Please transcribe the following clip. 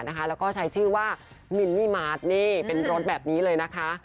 แล้วก็ใช้ชื่อว่ามิลลี่มาร์ทนี่เป็นรถแบบนี้เลยนะคะ